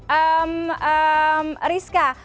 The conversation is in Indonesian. ya kemarin bulan oktober